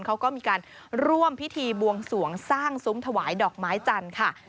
เขาก็มีการร่วมพิธีบวงสวงสร้างซุ้มถวายดอกไม้จันทร์ค่ะ